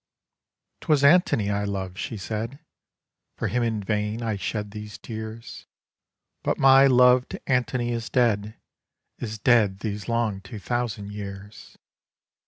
' 'Twas Antony I loved,' she said, 1 For him in vain I shed these tears, But my loved Antony is dead, Is dead these long two thousand years.